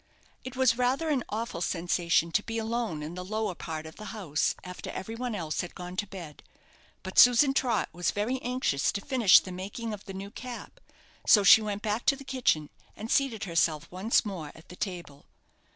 It was rather an awful sensation to be alone in the lower part of the house after every one else had gone to bed; but Susan Trott was very anxious to finish the making of the new cap; so she went back to the kitchen, and seated herself once more at the table.